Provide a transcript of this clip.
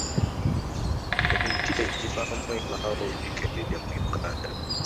Emiti egivaamu embaawo gikendedde mu Uganda.